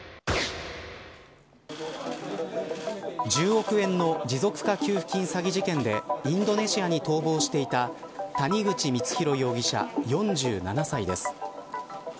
１０億円の持続化給付金詐欺事件でインドネシアに逃亡していた谷口光弘容疑者、４７歳です。